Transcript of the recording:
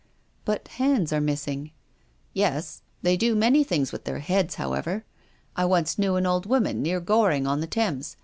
*' But hands are missing." " Yes. They do many things with their heads, however. I once knew an old woman near Gor ing on the Thames.